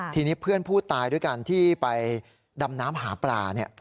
ทีนี้เพื่อนผู้ตายด้วยกันที่ไปดำน้ำหาปลา